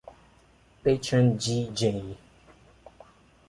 Patron, G. J.